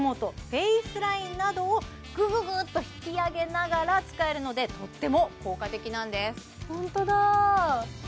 フェイスラインなどをぐぐぐっと引き上げながら使えるのでとっても効果的なんですホントだ！